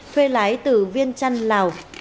thuê lái từ viên trăn lào